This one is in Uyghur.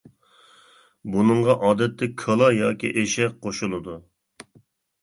بۇنىڭغا ئادەتتە كالا ياكى ئېشەك قوشۇلىدۇ.